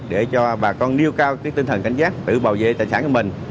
để cho bà con nêu cao tinh thần cảnh giác tự bảo vệ tài sản của mình